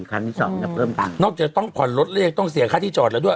คันที่สองจะเริ่มตังค์นอกจากต้องผ่อนรถเลขต้องเสียค่าที่จอดแล้วด้วย